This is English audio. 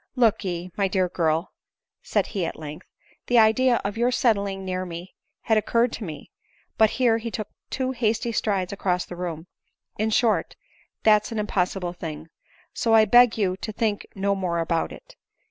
" Look ye, my dear girl," said he at length ;" the idea of your settling near me had occurred tome, but —" here he took two hasty strides across the room —" in short, that's an impossible thing ; so I beg you to think no more about it.